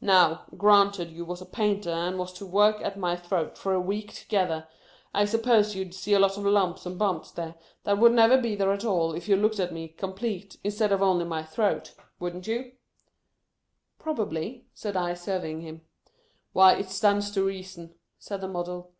Now, granted you was a painter, and was to work at my tliroat for a week together, I suppose you 'd see a lot of lumps and bumps there, that would never be there at all, if you looked at me, complete, instead of only my throat. Wouldn't you 1 "" Probably," said I, surveying him. " Why, it stands to reason," said the Model.